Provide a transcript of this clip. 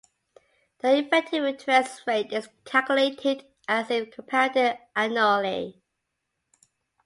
The effective interest rate is calculated as if compounded annually.